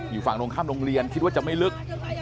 อยู่ฝั่งตรงข้ามโรงเรียนคิดว่าจะไม่ลึก